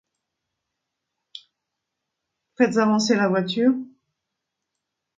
Faites avancer la voiture…